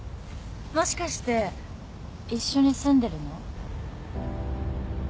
もしかして一緒に住んでるの？